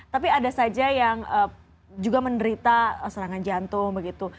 tapi ada saja yang juga menderita serangan jantung begitu